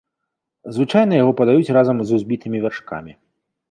Звычайна яго падаюць разам з узбітымі вяршкамі.